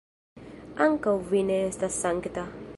Ankaŭ vi ne estas sankta.